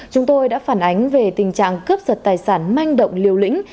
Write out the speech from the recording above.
chúng tôi đã phản ánh về tình trạng cướp giật tài sản manh động liều lĩnh